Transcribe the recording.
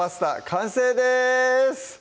完成です